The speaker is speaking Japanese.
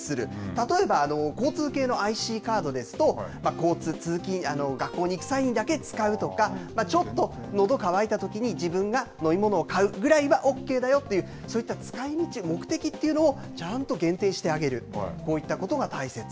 例えば、交通系のＩＣカードですと、学校に行く際だけ使うとか、ちょっとのど乾いたときに、自分が飲み物を買うぐらいはＯＫだよっていう、そういった使いみち、目的というのをちゃんと限定してあげる、こういったことが大切。